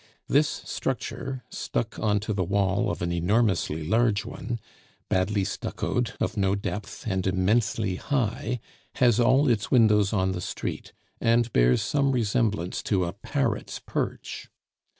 This structure, stuck on to the wall of an enormously large one, badly stuccoed, of no depth, and immensely high, has all its windows on the street, and bears some resemblance to a parrot's perch.